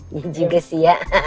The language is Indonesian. iya juga sih ya